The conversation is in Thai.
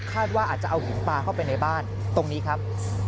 ว่าอาจจะเอาหินปลาเข้าไปในบ้านตรงนี้ครับ